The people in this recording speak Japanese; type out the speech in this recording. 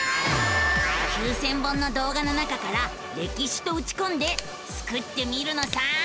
９，０００本の動画の中から「歴史」とうちこんでスクってみるのさ！